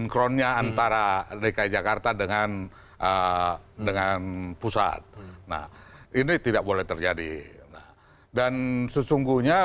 antara dki jakarta dengan dengan pusat nah ini tidak boleh terjadi dan sesungguhnya